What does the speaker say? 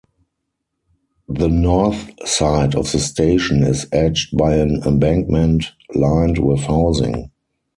The north side of the station is edged by an embankment lined with housing.